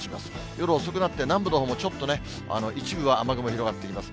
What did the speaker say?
夜遅くなって、南部のほうもちょっとね、一部は雨雲広がっています。